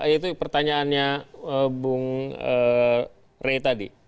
itu pertanyaannya bung rey tadi